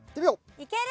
いける！